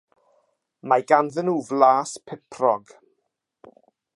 Mae ganddyn nhw flas puprog.